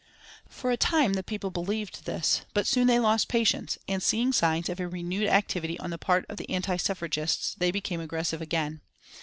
For a time the people believed this, but soon they lost patience, and seeing signs of a renewed activity on the part of the anti suffragists, they became aggressive again.